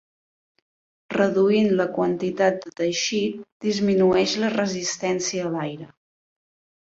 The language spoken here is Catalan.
Reduint la quantitat de teixit disminueix la resistència a l'aire.